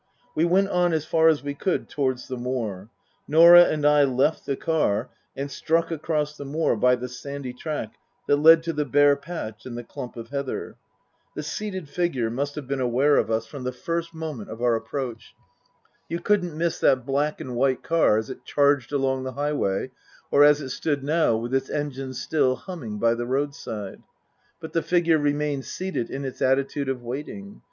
We went on as far as we could towards the moor. Norah and I left the car and struck across the moor by the sandy track that led to the bare patch and the clump of heather. The seated figure must have been aware of us from the 240 Tasker Jevons first moment of our approach. You couldn't miss that black and white car as it charged along the highway, or as it stood now, with its engines still humming, by the roadside. But the figure remained seated in its attitude of waiting.